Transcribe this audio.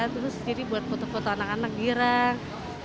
terus jadi buat foto foto anak anak girang